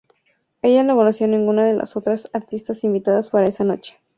Ella no conocía a ninguna de las otras artistas invitadas para esa noche.